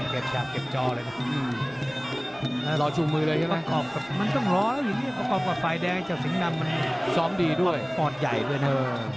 เก็บจอเลยนะมันต้องรออย่างนี้ประกอบกับฝ่ายแดงเจ้าสิงห์ดำมันปลอดใหญ่ด้วยนะ